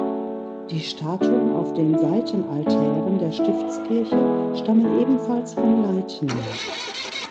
Die Statuen auf den Seitenaltären der Stiftskirche stammen ebenfalls von Leitner.